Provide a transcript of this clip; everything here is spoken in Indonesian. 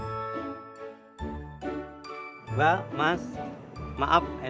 tapi perut kekenyangan juga bisa bunyi akibat makan makanan tertentu kok